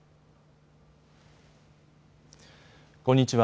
こんにちは。